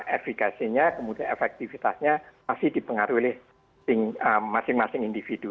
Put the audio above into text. efektivitasnya masih dipengaruhi masing masing individu